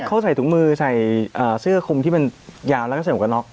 เขาใส่ถุงมือใส่เสื้อคุมที่มันยาวแล้วก็ใส่หมวกกระน็อก